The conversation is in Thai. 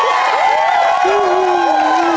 ครอบครับ